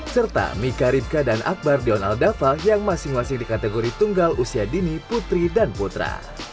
serta mika ripka dan akbar dion aldaval yang masing masing di kategori tunggal usia dini putri dan putra